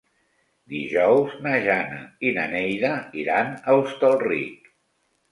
Dijous na Jana i na Neida iran a Hostalric.